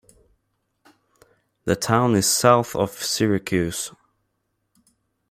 The town is south of Syracuse.